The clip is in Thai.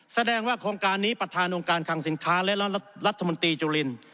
แสดงว่าโครงการนี้ประธานองค์การคังสินค้าและรัฐมนตรีจุลิน